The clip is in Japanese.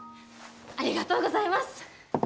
ありがとうございます。